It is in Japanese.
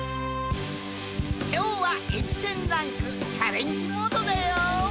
きょうはえびせんランクチャレンジモードだよ。